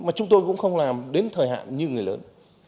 mà chúng tôi cũng không làm đến thời hạn như người lớn